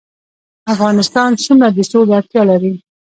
افغانستان څومره د سولې اړتیا لري؟